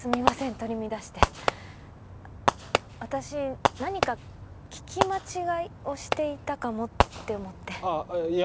取り乱して私何か聞き間違いをしていたかもって思ってあっいや